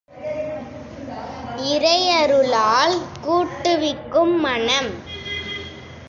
இறையருளால் கூட்டுவிக்கும் மனம்.